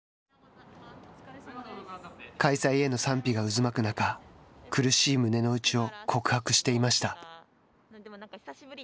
開催への賛否が渦巻く中苦しい胸の内を告白していました。